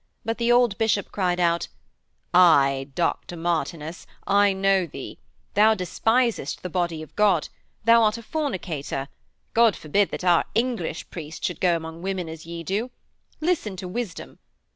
But the old bishop cried out, 'Ay, Dr Martinus, I know thee; thou despisest the Body of God; thou art a fornicator. God forbid that our English priests should go among women as ye do. Listen to wisdom.